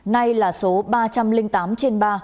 nay là số ba trăm linh tám trên ba